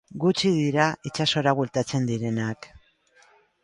Gutxi dira itsasora bueltatzen direnak.